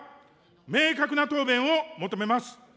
明確な答弁を求めます。